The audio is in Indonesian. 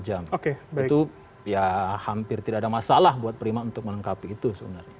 jadi itu ya hampir tidak ada masalah buat prima untuk melengkapi itu sebenarnya